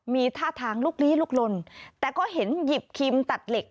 มีท่าทางลุกลี้ลุกลนแต่ก็เห็นหยิบครีมตัดเหล็ก